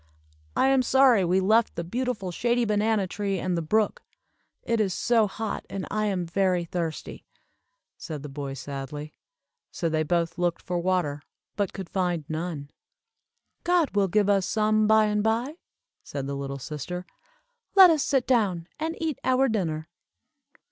"I am sorry we left the beautiful shady banana tree and the brook. It is so hot, and I am very thirsty," said the boy, sadly. So they both looked for water, but could find none. "God will give us some by and by," said the little sister. "Let us sit down and eat our dinner."